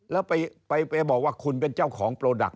แล้วไปบอกว่าคุณเป็นเจ้าของโปรดักต